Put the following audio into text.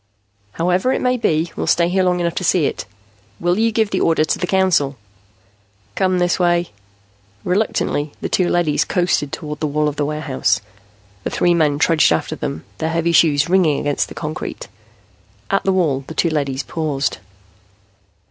"However it may be, we'll stay long enough to see it. Will you give the order to the Council?" "Come this way." Reluctantly, the two leadys coasted toward the wall of the warehouse. The three men trudged after them, their heavy shoes ringing against the concrete. At the wall, the two leadys paused.